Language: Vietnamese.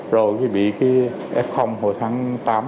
rồi bị f hồi tháng tám